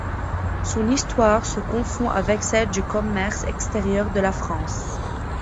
Son histoire se confond avec celle du commerce extérieur de la France.